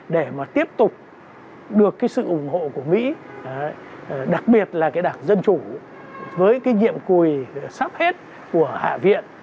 để tiếp tục được sự ủng hộ của mỹ đặc biệt là đảng dân chủ với nhiệm cùi sắp hết của hạ viện